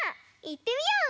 いってみよう！